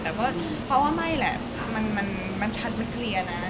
แต่ก็เพราะว่าไม่แหละมันชัดมันเคลียร์นะ